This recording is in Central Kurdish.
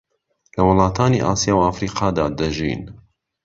لە وڵاتانی ئاسیا و ئەفریقادا دەژین